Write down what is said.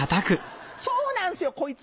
そうなんすよこいつ。